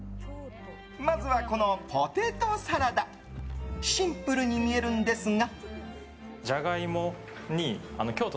まずは、このポテトサラダシンプルに見えるんですが。